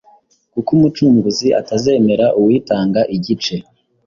kuko Umucunguzi atazemera uwitanga igice.